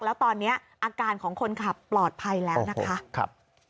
แล้วตอนนี้อาการของคนขับปลอดภัยแล้วนะคะ